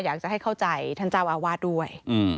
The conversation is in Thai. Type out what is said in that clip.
อยากจะให้เข้าใจท่านเจ้าอาวาสด้วย